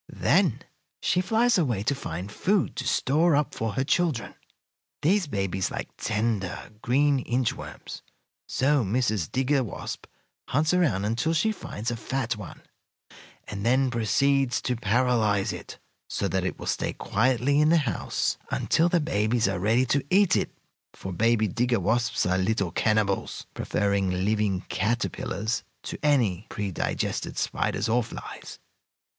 "Then she flies away to find food to store up for her children. These babies like tender, green inch worms, so Mrs. Digger Wasp hunts around until she finds a fat one, and then proceeds to paralyze it, so that it will stay quietly in the house until the babies are ready to eat it, for baby digger wasps are little cannibals, preferring living caterpillars to any pre digested spiders or flies.